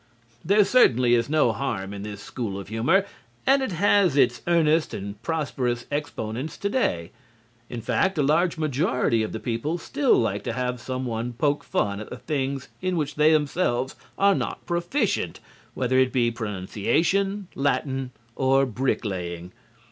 There certainly is no harm in this school of humor, and it has its earnest and prosperous exponents today. In fact, a large majority of the people still like to have some one poke fun at the things in which they themselves are not proficient, whether it be pronunciation, Latin or bricklaying.